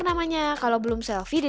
terima kasih pak